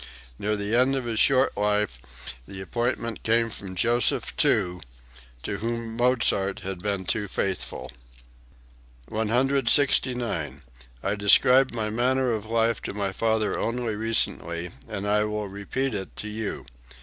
Near the end of his short life the appointment came from Joseph II, to whom Mozart had been too faithful.) 169. "I described my manner of life to my father only recently, and I will now repeat it to you.